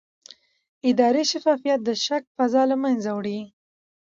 اداري شفافیت د شک فضا له منځه وړي